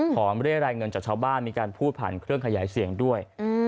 เรียกรายเงินจากชาวบ้านมีการพูดผ่านเครื่องขยายเสียงด้วย